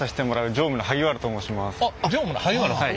常務の萩原さん？